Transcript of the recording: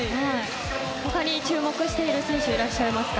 他に注目している選手いらっしゃいますか？